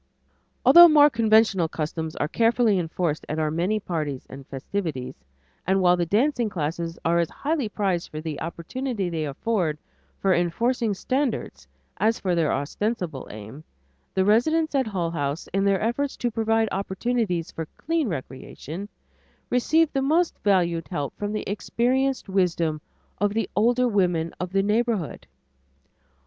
Although more conventional customs are carefully enforced at our many parties and festivities, and while the dancing classes are as highly prized for the opportunity they afford for enforcing standards as for their ostensible aim, the residents at Hull House, in their efforts to provide opportunities for clean recreation, receive the most valued help from the experienced wisdom of the older women of the neighborhood.